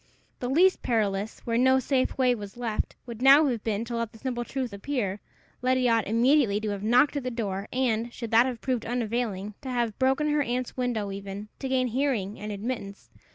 The least perilous, where no safe way was left, would now have been to let the simple truth appear; Letty ought immediately to have knocked at the door, and, should that have proved unavailing, to have broken her aunt's window even, to gain hearing and admittance.